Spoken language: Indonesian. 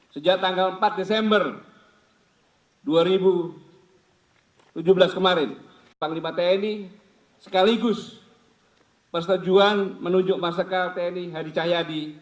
sejak tanggal empat desember dua ribu tujuh belas kemarin panglima tni sekaligus persetujuan menunjuk masakal tni hadi cahyadi